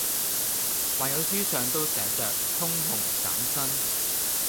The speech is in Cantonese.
還有書上都寫着，通紅斬新！」